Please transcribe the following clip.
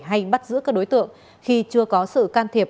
hay bắt giữ các đối tượng khi chưa có sự can thiệp